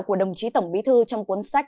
của đồng chí tổng bí thư trong cuốn sách